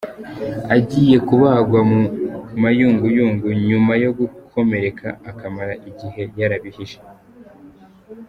agiye kubagwa mu mayunguyungu nyuma yo gukomereka akamara igihe yarabihishe